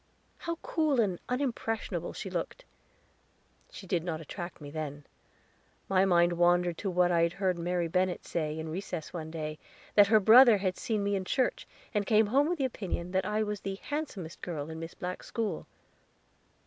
How cool and unimpressionable she looked! She did not attract me then. My mind wandered to what I had heard Mary Bennett say, in recess one day, that her brother had seen me in church, and came home with the opinion that I was the handsomest girl in Miss Black's school.